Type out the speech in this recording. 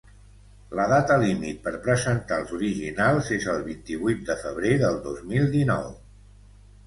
La data límit per presentar els originals és el vint-i-vuit de febrer del dos mil dinou.